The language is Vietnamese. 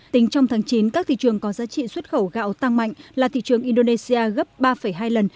tính trong tháng chín các thị trường có giá trị xuất khẩu gạo tăng mạnh là thị trường indonesia gấp ba hai lần